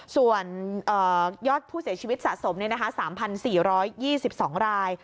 ส่วนยอดผู้เสียชีวิตสะสมเนี่ยนะคะ๓๔๒๒ราย